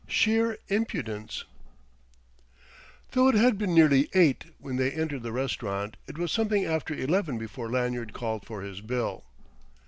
XV SHEER IMPUDENCE Though it had been nearly eight when they entered the restaurant, it was something after eleven before Lanyard called for his bill.